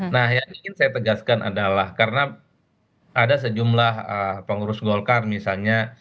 nah yang ingin saya tegaskan adalah karena ada sejumlah pengurus golkar misalnya